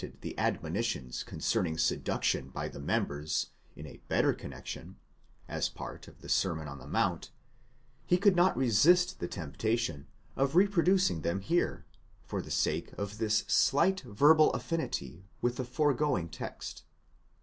357 cerning seduction by the members, in a better connexion, as part of the Sermon on the Mount, he could not resist the temptation of reproducing them here, for the sake of this slight verbal affinity with the foregoing text.